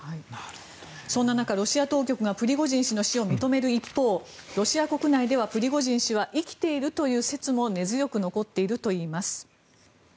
そんな中、ロシア当局がプリゴジン氏の死を認める一方ロシア国内では、プリゴジン氏は生きているという説も根強く残っているといいます。